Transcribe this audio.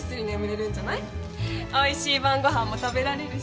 美味しい晩ご飯も食べられるし。